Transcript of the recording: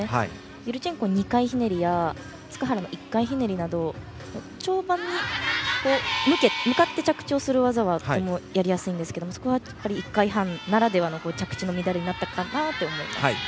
ユルチェンコ２回ひねりやツカハラの１回ひねりなど跳馬に向かって着地をする技はとてもやりやすいんですが１回半ならではの着地の乱れになったのかなと思います。